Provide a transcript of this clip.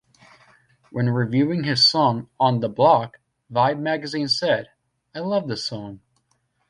When reviewing his song "On the Block", Vibe Magazine said, "I love this song.